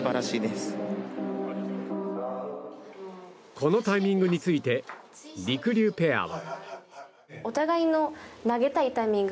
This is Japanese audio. このタイミングについてりくりゅうペアは。